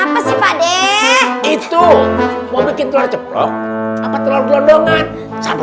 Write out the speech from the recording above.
mau bikin apaan